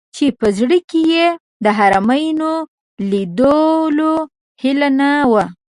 چې په زړه کې یې د حرمینو لیدلو هیله نه وي.